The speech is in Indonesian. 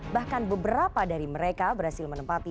bahkan beberapa dari mereka berhasil menempati